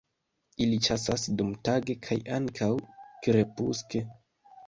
Ili ĉasas dumtage kaj ankaŭ krepuske.